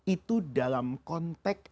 itu dalam konteks